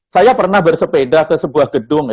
saya pernah bersepeda ke sebuah gedung